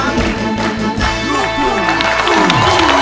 รออยุ่งจัง